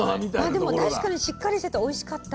でも確かにしっかりしてておいしかった。